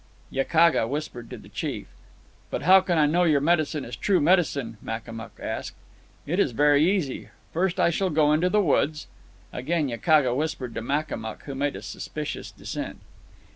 Yakaga whispered to the chief. "But how can I know your medicine is true medicine?" Makamuk asked. "It is very easy. First, I shall go into the woods—" Again Yakaga whispered to Makamuk, who made a suspicious dissent.